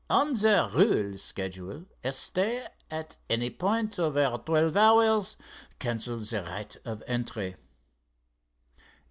"On the rule schedule a stay at any point over twelve hours cancels the right of entry."